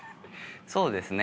そうですね。